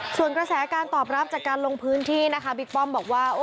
ส่วนกระแสการตอบรับจากการลงพื้นที่นะคะบิ๊กป้อมบอกว่า